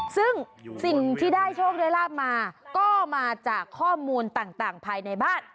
ซึ่งสิ่งที่ได้โชคได้ลาบมาก็มาจากข้อมูลต่างภายในบ้าน